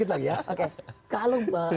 itu faktor lain